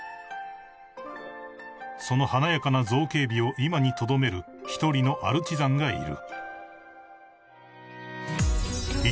［その華やかな造形美を今にとどめる一人のアルチザンがいる］